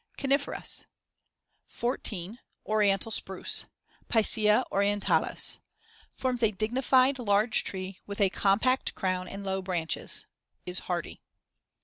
CONIFEROUS 14. Oriental spruce (Picea orientalis) Forms a dignified, large tree with a compact crown and low branches; is hardy.